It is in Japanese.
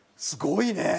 すごいね。